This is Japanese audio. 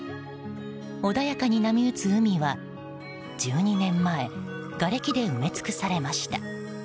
穏やかに波打つ海は１２年前がれきで埋め尽くされました。